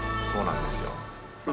そうなんですよ。